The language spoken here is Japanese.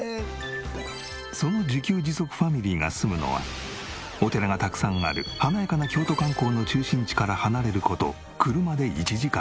その自給自足ファミリーが住むのはお寺がたくさんある華やかな京都観光の中心地から離れる事車で１時間。